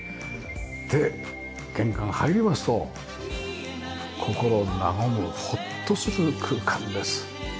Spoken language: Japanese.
で玄関入りますと心和むホッとする空間です。